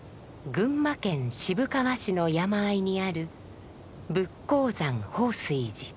群馬県渋川市の山あいにある佛光山法水寺。